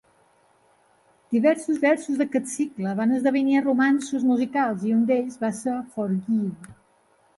Diversos versos d"aquest cicle van esdevenir romanços musicals i un d"ells va ser Forgive!